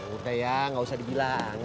udah ya gak usah dibilangin